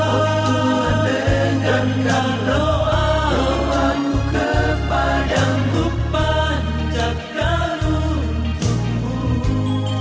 oh tuhan dengarkan doaku kepadamu panjangkan untungmu